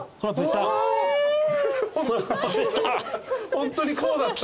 ホントにこうだった。